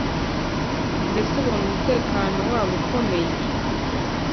mbese ubona umutekano wabo ukomeye